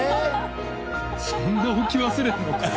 そんな置き忘れたのかよ。